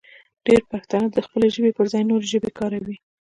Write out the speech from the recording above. ډېری پښتانه د خپلې ژبې پر ځای نورې ژبې کاروي.